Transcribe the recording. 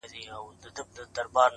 د ښكلي سولي يوه غوښتنه وكړو،